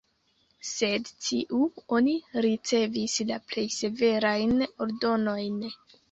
Sed sciu, oni ricevis la plej severajn ordonojn.